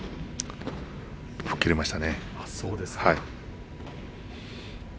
吹っ切れました。